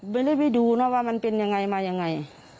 ไม่ได้ไปดูนะว่ามันเป็นยังไงมายังไง